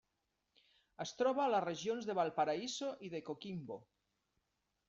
Es troba a les regions de Valparaíso i de Coquimbo.